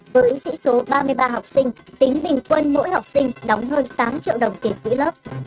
với dĩ số ba mươi ba học sinh tính bình quân mỗi học sinh đóng hơn tám triệu đồng kể từ lớp